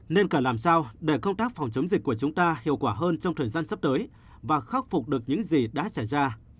nên cần làm sao để công tác phòng chống dịch của chúng ta hiệu quả hơn trong thời gian sắp tới và khắc phục được những gì đã xảy ra